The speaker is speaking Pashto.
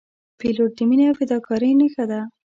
پیلوټ د مینې او فداکارۍ نښه ده.